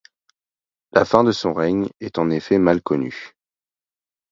La fin de son règne est en effet mal connue.